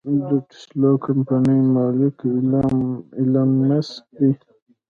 د ټسلا کمپنۍ مالک ايلام مسک دې.